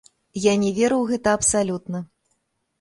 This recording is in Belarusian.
Я не веру ў гэта абсалютна.